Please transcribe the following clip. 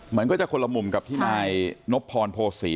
มันก็จะคนละมุมกับที่นายนบพรโภษี